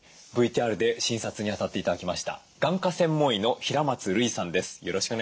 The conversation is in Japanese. ＶＴＲで診察にあたって頂きました眼科専門医の平松類さんです。